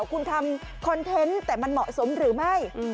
คุณทำคอนเทนต์แต่มันเหมาะสมหรือไม่